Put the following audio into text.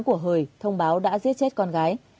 của hời thông báo đã giết chết con gái